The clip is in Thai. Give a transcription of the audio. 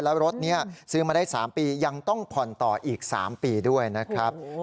แล้วรถนี้ซื้อมาได้๓ปียังต้องผ่อนต่ออีก๓ปีด้วยนะครับ